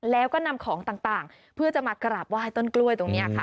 แล้วก็นำของต่างเพื่อจะมากราบไห้ต้นกล้วยตรงนี้ค่ะ